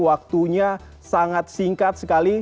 waktunya sangat singkat sekali